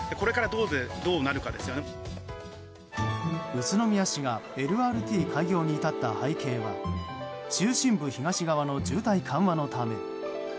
宇都宮市がＬＲＴ開業に至った背景は中心部東側の渋滞緩和のため。